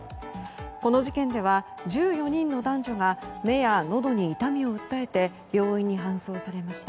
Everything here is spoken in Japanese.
この事件では、１４人の男女が目やのどに痛みを訴えて病院に搬送されました。